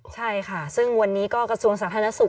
ใช่ค่ะซึ่งวันนี้ก็กระทรวงสาธารณสุข